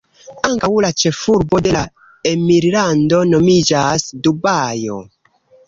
Ankaŭ la ĉefurbo de la emirlando nomiĝas Dubajo.